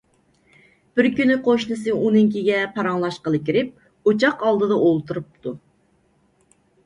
بىر كۈنى قوشنىسى ئۇنىڭكىگە پاراڭلاشقىلى كىرىپ، ئوچاق ئالدىدا ئولتۇرۇپتۇ.